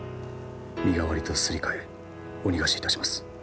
身代わりとすり替えお逃がしいたします。